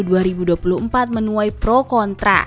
mencari dua puluh empat menuai pro kontra